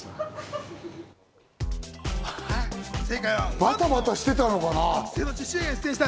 バタバタしてたのかな？